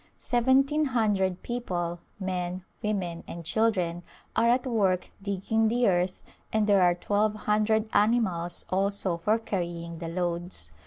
Seventeen hundred people, men, women and children, are at work digging the earth and there are twelve hundred animals also for carrying the loads.